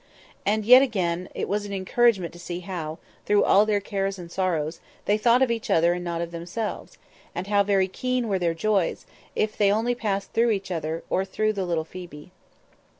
And yet again, it was an encouragement to see how, through all their cares and sorrows, they thought of each other and not of themselves; and how keen were their joys, if they only passed through each other, or through the little Phoebe.